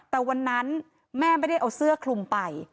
แต่วันนั้นแม่ไม่ได้เอาเสื้อคลุมไป